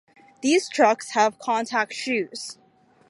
These trucks have contact shoes.